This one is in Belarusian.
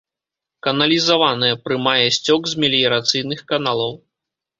Каналізаваная, прымае сцёк з меліярацыйных каналаў.